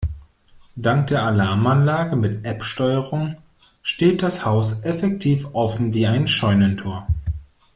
Dank der Alarmanlage mit App-Steuerung steht das Haus effektiv offen wie ein Scheunentor.